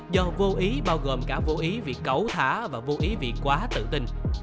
do vô ý bao gồm cả vô ý vì cấu thả và vô ý vì quá tự tin